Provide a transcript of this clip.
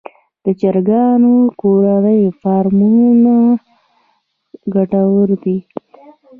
د چرګانو کورني فارمونه ګټور دي